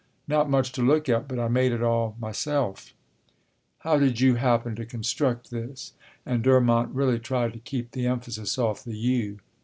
"Not much to look at, but I made it all myself." [Illustration: His Motto] "How did you happen to construct this?" And Durmont really tried to keep the emphasis off the "you."